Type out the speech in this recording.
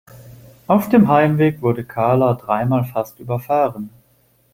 Auf dem Heimweg wurde Karla dreimal fast überfahren.